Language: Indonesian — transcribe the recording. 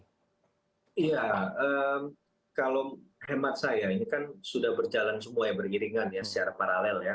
iya kalau hemat saya ini kan sudah berjalan semua ya beriringan ya secara paralel ya